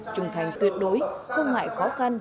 trùng thành tuyệt đối không ngại khó khăn